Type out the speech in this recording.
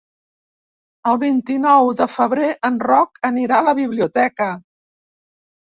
El vint-i-nou de febrer en Roc anirà a la biblioteca.